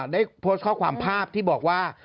ได้โพสต์ข้อความภาพที่บอกว่า